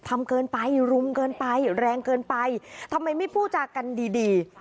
ทำเกินไปรุมเกินไปแรงเกินไปทำไมไม่พูดจากันดีดี